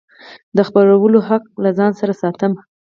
د خپرولو حق له ځان سره ساتم.